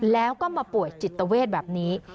แล้วก็มาป่วยจิตเวทแบบนี้